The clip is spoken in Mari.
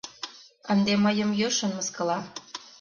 Ынде мыйым йӧршын мыскыла.